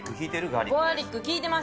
ガーリック効いてます。